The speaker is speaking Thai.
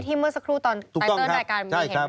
ที่เมื่อสักครู่ตอนไตเติร์นรายการมีเห็นประตูใช่ไหมครับ